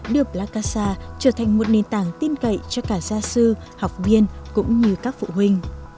đưa plakasa trở thành một nền tảng tin cậy cho cả gia sư học viên cũng như các phụ huynh